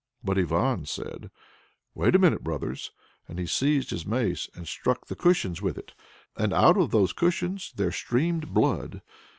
But Ivan said, "Wait a minute, brothers!" and he seized his mace, and struck the cushions with it. And out of those cushions there streamed blood.